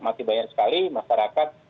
masih banyak sekali masyarakat